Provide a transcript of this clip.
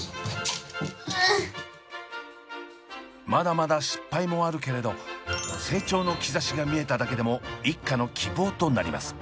まだまだ失敗もあるけれど成長の兆しが見えただけでも一家の希望となります。